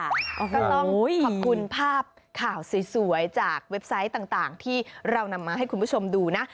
ก็ต้องขอบคุณภาพข่าวสวยจากเว็บไซต์ต่างที่เรานำมาให้คุณผู้ชมดูนะ